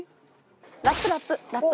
ラップラップ！